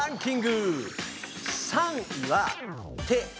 ３位は「手」。